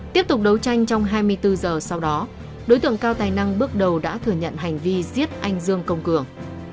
tiếp tục đấu tranh trong hai mươi bốn giờ sau đó đối tượng cao tài năng bước đầu đã thừa nhận hành vi giết anh dương công cường